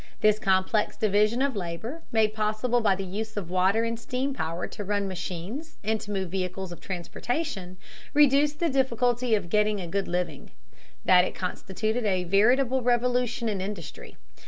This complex division of labor, made possible by the use of water and steam power to run machines and to move vehicles of transportation, reduced the difficulty of getting a good living, that it constituted a veritable revolution in industry.